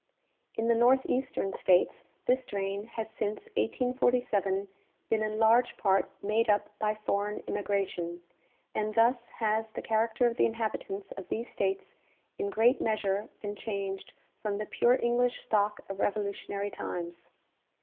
In the northeastern states this drain has since 1847 been in large part made up by foreign immigration, and thus has the character of the inhabitants of these states in great measure been changed from the pare English stock of Revolutionary times.